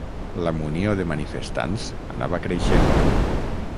La munió de manifestants anava creixent.